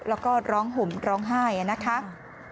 แล้วก็ร้องห่มร้องไห้นะคะ